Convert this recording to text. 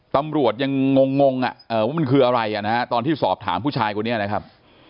ตำรวจยังงงงอ่ะเอ่อมันคืออะไรอ่ะนะฮะตอนที่สอบถามผู้ชายคนนี้นะครับ